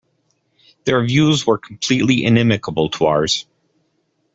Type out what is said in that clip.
Their views were completely inimicable to ours.